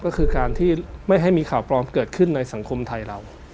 ก็คือการที่ไม่ให้มีข่าวปลอมเกิดขึ้นในสังคมไทยเรา